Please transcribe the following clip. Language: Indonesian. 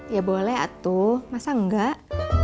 ya boleh atuh masa enggak